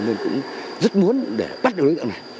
mình cũng rất muốn để bắt được lực lượng này